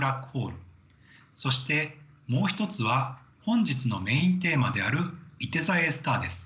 そしてもう１つは本日のメインテーマであるいて座Ａスターです。